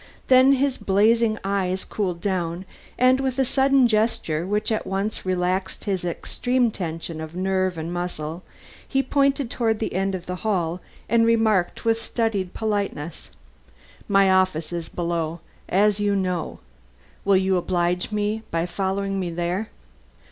Then his blazing eyes cooled down, and with a sudden gesture which at once relaxed his extreme tension of nerve and muscle, he pointed toward the end of the hall and remarked with studied politeness: "My office is below, as you know. Will you oblige me by following me there?"